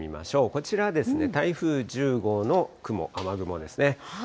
こちら、台風１０号の雲、雨雲ですね。